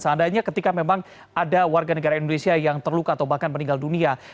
seandainya ketika memang ada warga negara indonesia yang terluka atau bahkan meninggal dunia